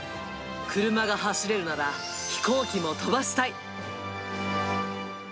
車が走れるなら飛行機も飛ばしたい。